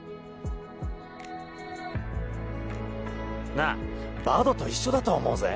・現在なあバドと一緒だと思うぜ。